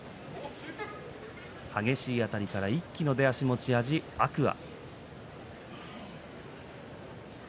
激しいあたりから一気の出足の天空海。